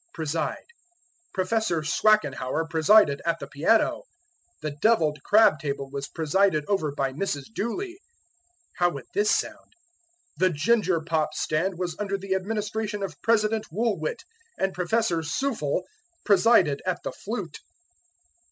Preside. "Professor Swackenhauer presided at the piano." "The deviled crab table was presided over by Mrs. Dooley." How would this sound? "The ginger pop stand was under the administration of President Woolwit, and Professor Sooffle presided at the flute."